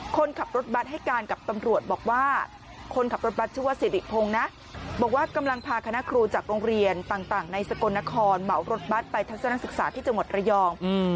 คนขับรถบัตรให้การกับตำรวจบอกว่าคนขับรถบัตรชื่อว่าสิริพงศ์นะบอกว่ากำลังพาคณะครูจากโรงเรียนต่างในสกลนครเหมารถบัตรไปทัศนศึกษาที่จังหวัดระยอง